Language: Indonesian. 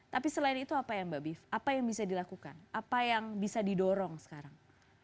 tapi selain itu apa ya mbak bif apa yang bisa dilakukan apa yang bisa didorong sekarang